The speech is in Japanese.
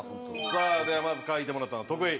さあではまず描いてもらったのは徳井。